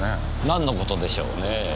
なんのことでしょうねぇ。